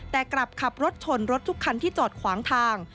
แต่กลับขับรถชนรถทุกคันที่จอดขวางทาง